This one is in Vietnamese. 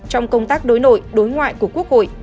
trong công tác đối nội đối ngoại của quốc hội